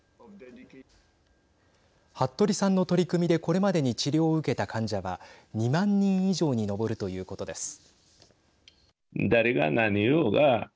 服部さんの取り組みでこれまでに治療を受けた患者は２万人以上に上るということです。